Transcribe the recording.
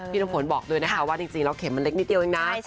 น้ำฝนบอกด้วยนะคะว่าจริงแล้วเข็มมันเล็กนิดเดียวเองนะ